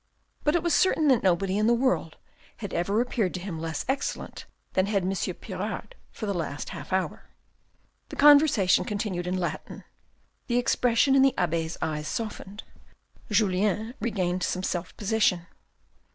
But it was certain that nobody in the world had ever appeared to him less excellent than had M. Pirard for the last half hour. The conversation continued in Latin. The expression in the abbe's eyes softened. Julien regained some self possession.